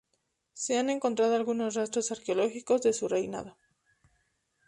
Se han encontrado algunos rastros arqueológicos de su reinado.